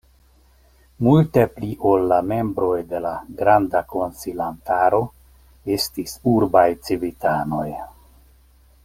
Multe pli ol la membroj de la granda konsilantaro estis urbaj civitanoj.